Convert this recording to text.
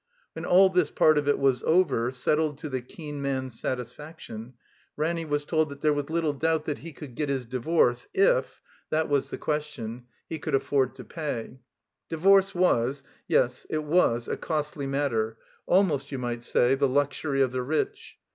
When all this part of it was over, settled to the keen man's satisfaction, Ranny was told that there was little doubt that he could get his divorce if — ^that was the 302 THE COMBINED MAZE question — ^he cotild aflford to pay. Divorce was, yes, it was a costly matter, almost, you might say, the luxury of the rich.